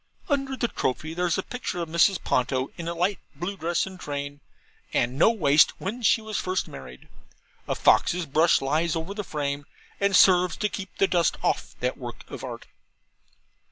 Under the trophy there's a picture of Mrs. Ponto, in a light blue dress and train, and no waist, when she was first married; a fox's brush lies over the frame, and serves to keep the dust off that work of art.